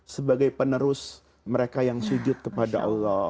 sebagai penerus mereka yang sujud kepada allah